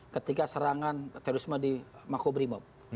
ketika serangan terorisme di makobrimob